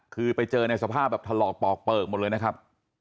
คือไปเจอในสภาพแบบถลอกปอกเปลือกหมดเลยนะครับ